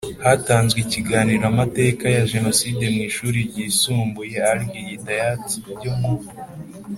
Hatanzwe ikiganiro amateka ya jenoside mu ishuri ryisumbuye al hidayat ryo mu